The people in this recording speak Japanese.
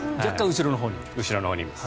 後ろのほうにいます。